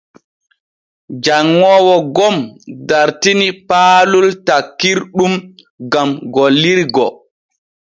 Janŋoowo gom dartini paalon takkirɗum gam gollirgo.